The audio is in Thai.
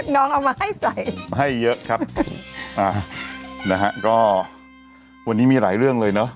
เอามาให้ใจให้เยอะครับอ่านะฮะก็วันนี้มีหลายเรื่องเลยเนอะ